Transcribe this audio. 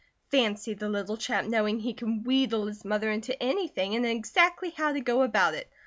Fancy the little chap knowing he can wheedle his mother into anything, and exactly how to go about it!